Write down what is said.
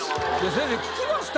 先生聞きました？